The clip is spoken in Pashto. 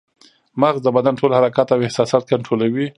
مغز د بدن ټول حرکات او احساسات کنټرولوي